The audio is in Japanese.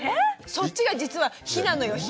そっちが実は火なのよ火。